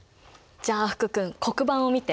じゃあ福君黒板を見て。